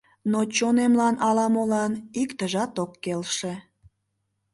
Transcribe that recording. Но чонемлан ала-молан иктыжат ок келше.